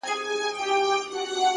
پوهه د پرمختګ تلپاتې ملګرې ده,